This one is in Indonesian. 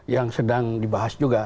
yang sedang dibahas juga